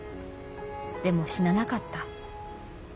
でも死ななかった」。